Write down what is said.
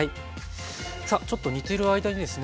さあちょっと煮てる間にですね